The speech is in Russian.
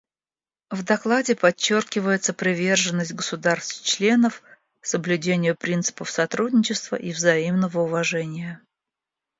В докладе подчеркивается приверженность государств-членов соблюдению принципов сотрудничества и взаимного уважения.